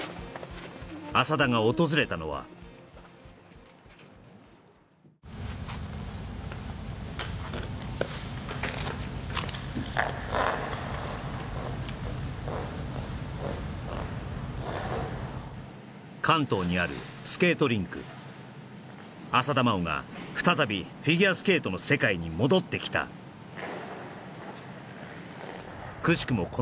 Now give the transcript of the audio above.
浅田が訪れたのは関東にあるスケートリンク浅田真央が再びフィギュアスケートの世界に戻ってきたくしくも